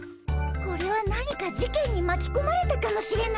これは何か事件にまきこまれたかもしれないねえ。